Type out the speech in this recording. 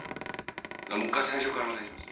もう１回最初からお願いします。